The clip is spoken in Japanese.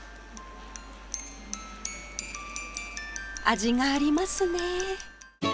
味がありますね